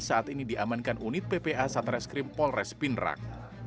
saat ini diamankan unit ppa satreskrim polres pindrang